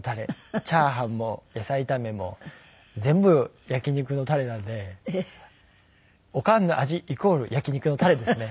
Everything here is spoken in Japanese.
チャーハンも野菜炒めも全部焼き肉のタレなんでおかんの味イコール焼き肉のタレですね